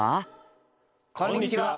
こんにちは！